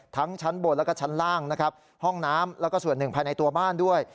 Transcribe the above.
ชั้นบนแล้วก็ชั้นล่างนะครับห้องน้ำแล้วก็ส่วนหนึ่งภายในตัวบ้านด้วย